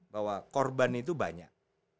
bahwa korban itu banyak